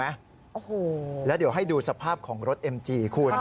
โอ้โหแล้วเดี๋ยวให้ดูสภาพของรถเอ็มจีคุณ